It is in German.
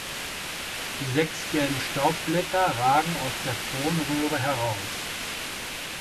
Die sechs gelben Staubblätter ragen aus der Kronröhre heraus.